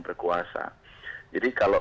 berkuasa jadi kalau